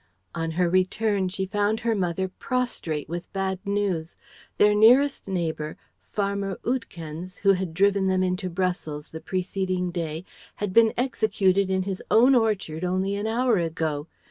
On her return she found her mother prostrate with bad news. Their nearest neighbour, Farmer Oudekens who had driven them into Brussels the preceding day had been executed in his own orchard only an hour ago.